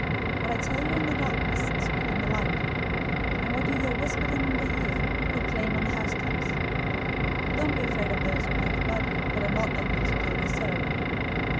010:027 What I tell you in the darkness, speak in the light; and what you hear whispered in the ear, proclaim on the housetops. 010:028 Don't be afraid of those who kill the body, but are not able to kill the soul.